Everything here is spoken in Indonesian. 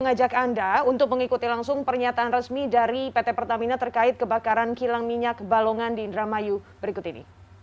mengajak anda untuk mengikuti langsung pernyataan resmi dari pt pertamina terkait kebakaran kilang minyak balongan di indramayu berikut ini